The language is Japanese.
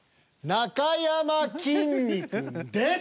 なかやまきんに君です。